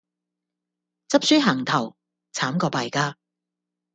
執輸行頭,慘過敗家